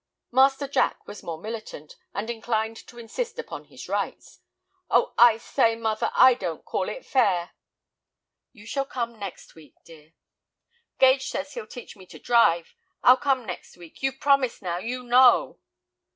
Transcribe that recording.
Master Jack was more militant, and inclined to insist upon his rights. "Oh, I say, mother, I don't call it fair!" "You shall come next week, dear." "Gage says he'll teach me to drive. I'll come next week. You've promised now—you know."